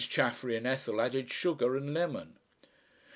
Chaffery and Ethel added sugar and lemon.